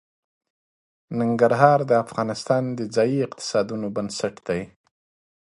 ننګرهار د افغانستان د ځایي اقتصادونو بنسټ دی.